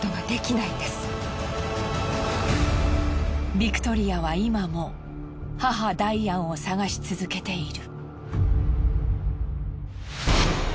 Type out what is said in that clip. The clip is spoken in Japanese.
ビクトリアは今も母ダイアンを捜し続けている。